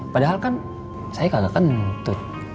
padahal kan saya kagak kentut